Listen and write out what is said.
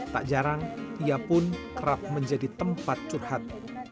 tak jarang ia pun kerap menjadi tempat curhat